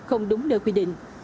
không đúng nơi quy định